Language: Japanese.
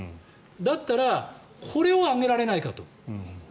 だったらこれを上げられないかと。